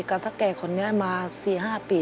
กับถ้าแก่คนนี้มา๔๕ปี